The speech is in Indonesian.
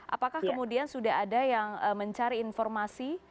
apakah kemudian sudah ada yang mencari informasi